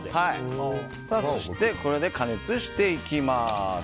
これで加熱していきます。